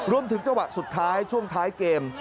รวมถึงเจ้าหวะสุดท้ายช่วงท้ายเกม